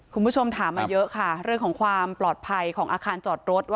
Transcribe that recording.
คุณผู้ชมถามมาเยอะค่ะเรื่องของความปลอดภัยของอาคารจอดรถ